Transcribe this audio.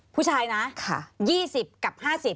ภูชายนะ